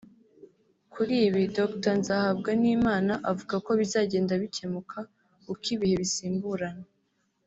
Kuri ibi Dr Nzahabwanimana avuga ko bizagenda bikemuka uko ibihe bisimburana